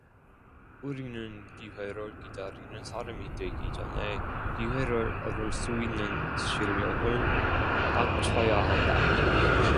우리는 기회를 기다리는 사람이 되기 전에 기회를 얻을 수 있는 실력을 갖춰야 한다.